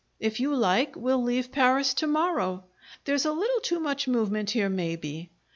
If you like, we'll leave Paris to morrow. There's a little too much movement here, maybe.